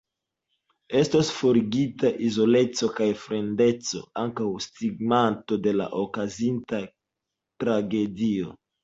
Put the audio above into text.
Estos forigita izoleco kaj fremdeco, ankaŭ stigmato de la okazinta tragedio.